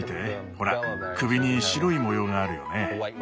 ほら首に白い模様があるよね。